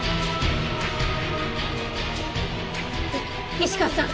石川さん！